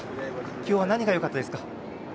きょうは何がよかったですか？